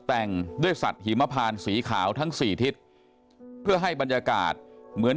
แต่งด้วยสัตว์หิมพานสีขาวทั้งสี่ทิศเพื่อให้บรรยากาศเหมือน